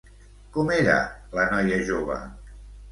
Com era la noia jove?